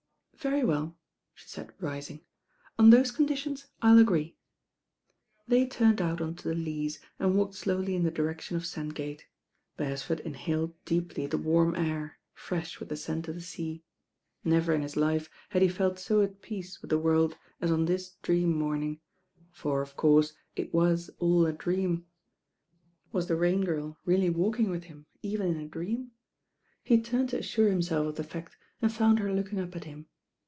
"Very weU," she said rising; "on those conditions I'll agree." They turned out on to the Leas and walked slowly in the direction of Sandgatc. Bcresford inhaled deeply the warm air, fresh with the scent of the sea. Never in his life had he felt so at peace with the world as on this dream morning; for, of course, it was all a dream. Was the Rain Girl really walking with him, even in a dream? He turned to assure himself of the fact, and found her looking up at him.